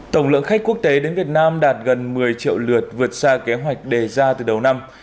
tổng lượng khách quốc tế đến việt nam đạt gần một mươi triệu lượt vượt xa kế hoạch đề ra từ đầu năm